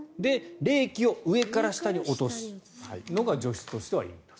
冷気を上から下に落とすのが除湿としてはいい。